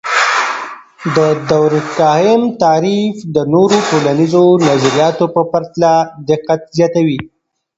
د دورکهايم تعریف د نورو ټولنیزو نظریاتو په پرتله دقت زیاتوي.